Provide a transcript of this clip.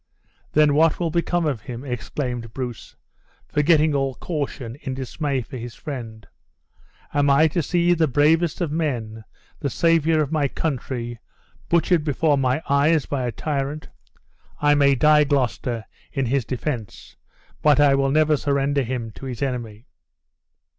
"Then what will become of him?" exclaimed Bruce, forgetting all caution in dismay for his friend. "Am I to see the bravest of men, the savior of my country, butchered before my eyes by a tyrant? I may die, Gloucester, in his defense, but I will never surrender him to his enemy!"